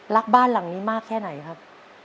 รักบ้านหลังนี้มากแค่ไหนครับ